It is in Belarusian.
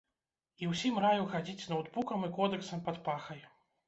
І ўсім раю хадзіць з ноўтбукам і кодэксам пад пахай.